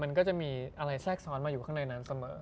มันก็จะมีอะไรแทรกซ้อนมาอยู่ข้างในนั้นเสมอ